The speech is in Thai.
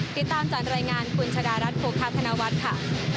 ติดตามจากรายงานคุณชะดารัฐโภคธนวัฒน์ค่ะ